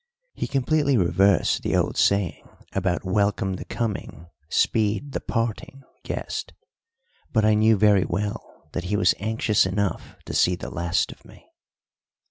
He completely reversed the old saying about welcome the coming, speed the parting, guest; but I knew very well that he was anxious enough to see the last of me.